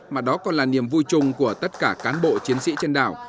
mà đó còn là niềm vui chung của tất cả cán bộ chiến sĩ trên đảo